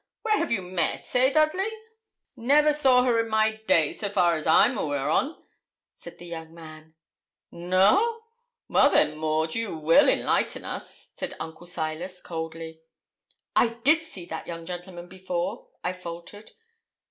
Where have you met eh, Dudley?' 'Never saw her in my days, so far as I'm aweer on,' said the young man. 'No! Well, then, Maud, will you enlighten us?' said Uncle Silas, coldly. 'I did see that young gentleman before,' I faltered.